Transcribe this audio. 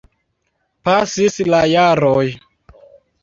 Pasis la jaroj.